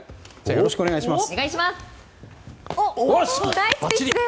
よろしくお願いします。